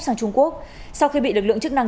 sang trung quốc sau khi bị lực lượng chức năng